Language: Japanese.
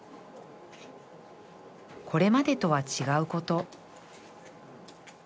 これまでとは違うこと